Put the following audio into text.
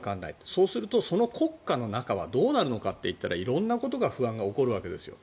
そうするとその国家の中はどうなるのかといったら色んなことが不安が起こるわけですよ。